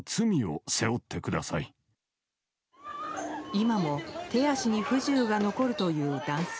今も手足に不自由が残るという男性。